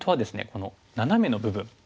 このナナメの部分。